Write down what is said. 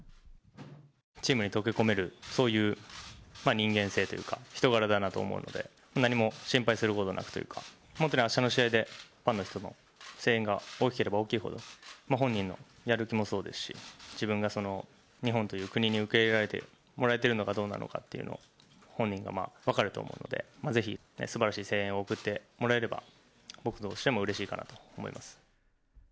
チームに溶け込める、そういう人間性というか、人柄だなと思うので、何も心配することはなくというか、本当にあしたの試合でファンの人の声援が大きければ大きいほど、本人のやる気もそうですし、自分が日本という国に受け入れられてもらえているのかどうなのかというのが本人が分かると思うので、ぜひすばらしい声援を送ってもらえれば、僕としてもうれしいかなと思います。